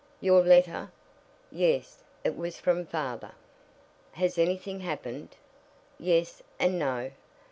"Your letter?" "Yes, it was from father." "Has anything happened?" "Yes, and no.